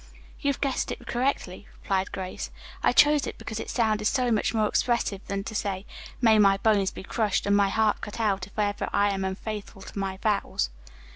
"You've guessed it exactly," replied Grace. "I chose it because it sounded so much more expressive than to say, 'May my bones be crushed and my heart cut out if ever I am unfaithful to my vows.'"